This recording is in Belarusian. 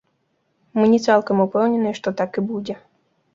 Мы не цалкам упэўненыя, што так і будзе.